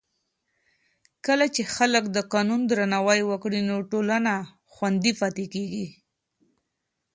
کله چې خلک د قانون درناوی وکړي، ټولنه خوندي پاتې کېږي.